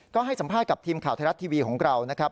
ก็ให้สัมภาษณ์กับทีมข่าวไทยรัฐทีวีของเรานะครับ